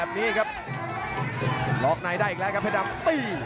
อื้อหือจังหวะขวางแล้วพยายามจะเล่นงานด้วยซอกแต่วงใน